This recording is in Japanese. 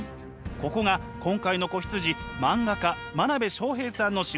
ここが今回の子羊漫画家真鍋昌平さんの仕事場です。